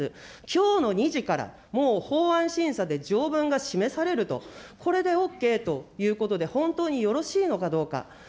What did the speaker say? きょうの２時から、もう法案審査で条文が示されると、これでＯＫということで、本当によろしいのかどうか。